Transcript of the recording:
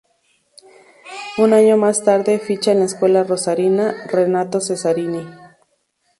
Un año más tarde ficha en la escuela rosarina "Renato Cesarini".